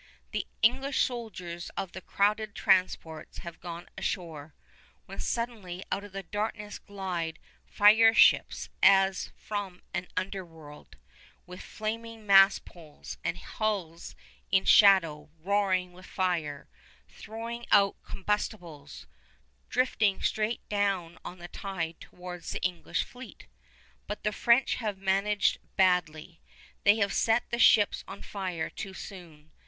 The English soldiers of the crowded transports have gone ashore, when suddenly out of the darkness glide fire ships as from an under world, with flaming mast poles, and hulls in shadow, roaring with fire, throwing out combustibles, drifting straight down on the tide towards the English fleet. But the French have managed badly. They have set the ships on fire too soon.